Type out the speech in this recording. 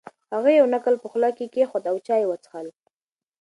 هغې یو نقل په خوله کې کېښود او چای یې وڅښل.